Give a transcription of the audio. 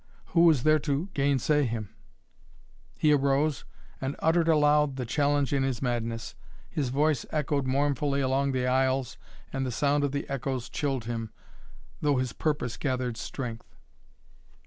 Who was there to gainsay him? He arose and uttered aloud the challenge in his madness. His voice echoed mournfully along the aisles and the sound of the echoes chilled him, though his purpose gathered strength.